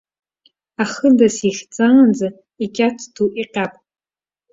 Ахыда, сихьӡаанӡа, икьат ду иҟьап.